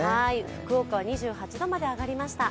福岡は２８度まで上がりました。